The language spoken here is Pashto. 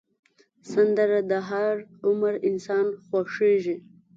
سندره د هر عمر انسان خوښېږي